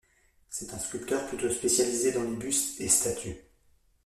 C'est un sculpteur plutôt spécialisé dans les bustes et statues.